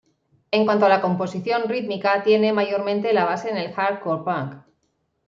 En cuanto a la composición rítmica, tiene, mayormente, la base en el "hardcore punk".